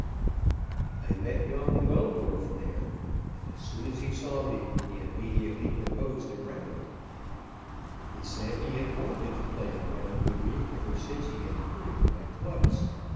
I met young Weldorf there, and as soon as he saw me he immediately proposed a round. He said he had wanted to play a round with me ever since he had heard of my clubs.